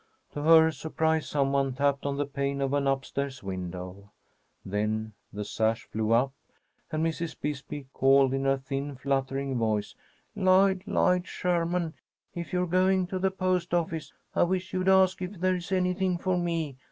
To her surprise, some one tapped on the pane of an up stairs window. Then the sash flew up, and Mrs. Bisbee called in her thin, fluttering voice: "Lloyd! Lloyd Sherman! If you're going to the post office, I wish you'd ask if there is anything for me.